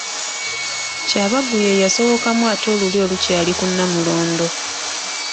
Kyabaggu ye yasowokamu ate olulyo olukyali ku Nnamulondo.